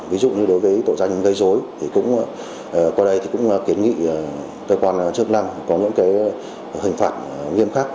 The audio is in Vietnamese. ví dụ như đối với tội doanh gây dối qua đây cũng kiến nghị cơ quan chức năng có những hình phạt nghiêm khắc